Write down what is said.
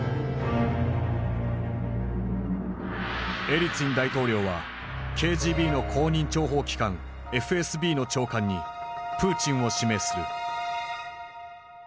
エリツィン大統領はＫＧＢの後任諜報機関ＦＳＢの長官にプーチンを指名する。